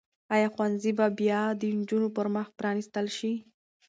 آیا ښوونځي به بیا د نجونو پر مخ پرانیستل شي؟